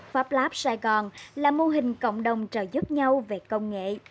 pháp lab sài gòn là mô hình cộng đồng trợ giúp nhau về công nghệ